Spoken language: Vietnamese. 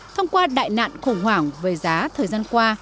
thông qua đại nạn khủng hoảng về giá thời gian qua